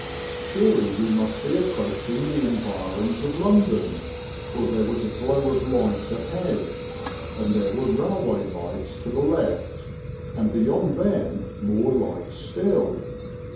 Surely we must be approaching the environs of London, for there was a glow of light ahead, and there were railway lights to the left, and beyond them more lights still.